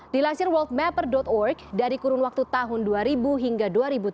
dilansir worldmapper org dari kurun waktu tahun dua ribu hingga dua ribu tujuh belas